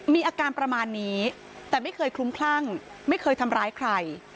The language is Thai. มีอาการประมาณนี้แต่ไม่เคยคลุ้มคลั่งไม่เคยทำร้ายใคร